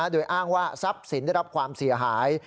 โดยอ้างว่าทรัพย์สินได้รับความเสียหาย